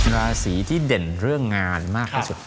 ราศีที่เด่นเรื่องงานมากที่สุด